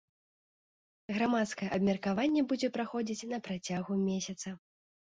Грамадскае абмеркаванне будзе праходзіць на працягу месяца.